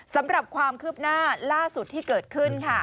สำหรับความคืบหน้าล่าสุดที่เกิดขึ้นค่ะ